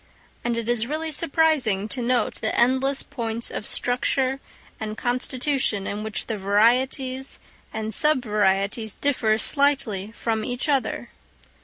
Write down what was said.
and it is really surprising to note the endless points of structure and constitution in which the varieties and sub varieties differ slightly from each other.